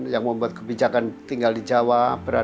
yang membuat kebijakan tinggal di jawa